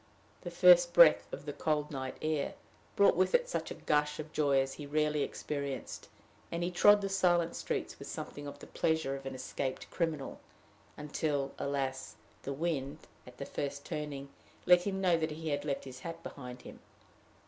The first breath of the cold night air brought with it such a gush of joy as he had rarely experienced; and he trod the silent streets with something of the pleasure of an escaped criminal, until, alas! the wind, at the first turning, let him know that he had left his hat behind him!